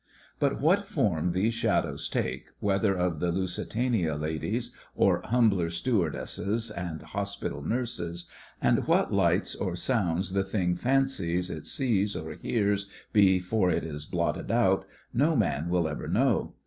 But what form these shadows take — whether of "the Lusitania Ladies," or humbler THE FRINGES OF THE FLEET 17 stewardesses and hospital nurses — and what lights or sounds the thing fancies it sees or hears before it is blotted out, no man will ever know.